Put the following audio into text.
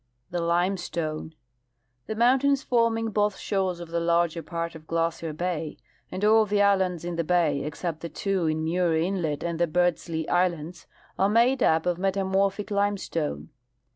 The Limestone. — The mountains forming both shores of the larger part of Glacier bay, and all the islands in the bay except the two in Muir inlet and the Beardslee islands, are made up of metamorphic limestone.